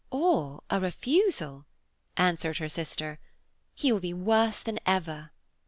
"Or a refusal," answered her sister; "he will be worse than ever."